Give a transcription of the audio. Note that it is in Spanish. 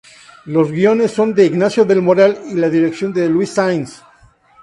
Los guiones son de Ignacio del Moral y la dirección de Luis Sanz.